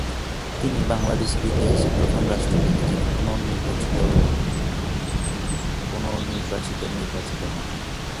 তিনি বাংলাদেশের ইতিহাসে প্রথম রাষ্ট্রপতি যিনি পুনর্নির্বাচিত নির্বাচিত হন।